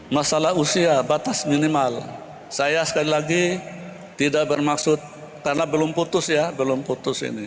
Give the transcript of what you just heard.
masalah usia batas minimal saya sekali lagi tidak bermaksud karena belum putus ya belum putus ini